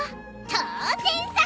当然さ！